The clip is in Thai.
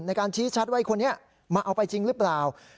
ในการชี้ชัดว่าคนนี้มาเอาไปจริงหรือเปล่า